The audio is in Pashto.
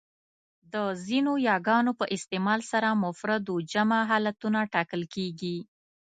د ځینو یاګانو په استعمال سره مفرد و جمع حالتونه ټاکل کېږي.